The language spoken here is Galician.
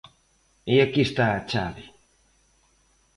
E aquí está a chave.